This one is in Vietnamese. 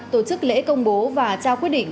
tổ chức lễ công bố và trao quyết định